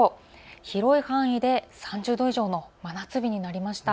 広い範囲で３０度以上の真夏日になりました。